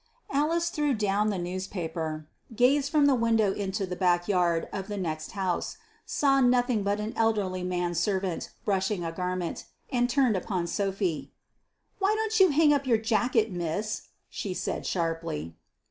Alice threw down the newspaper, gazed from the window into the back yard of the next house, saw nothing but an elderly man servant brushing a garment, and turned upon Sophy. "Why don't you hang up your jacket, miss?" she said, sharply.